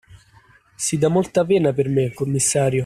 Si dà molta pena per me, commissario!